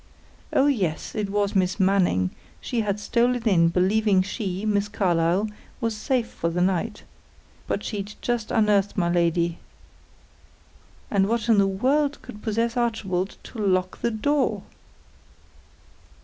Oh, yes; it was Miss Manning; she had stolen in; believing she, Miss Carlyle, was safe for the night; but she'd just unearth my lady. And what in the world could possess Archibald to lock the door!